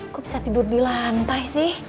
aku bisa tidur di lantai sih